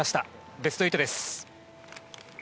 ベスト８です。